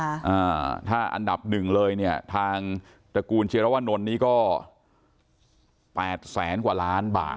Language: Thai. อ่าถ้าอันดับ๑เลยเนี่ยทางตระกูลเชียรวรรณนท์นี้ก็๘๐๐๐๐๐กว่าล้านบาท